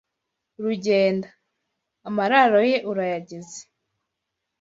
Rugenda, amararo ye urayageze